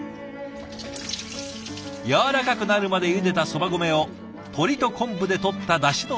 やわらかくなるまでゆでたそば米を鶏と昆布でとっただしの中へ。